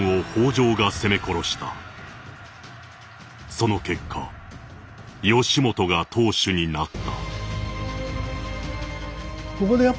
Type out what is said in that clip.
「その結果義元が当主になった」。